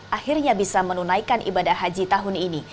akhirnya bisa menunaikan ibadah haji tahun ini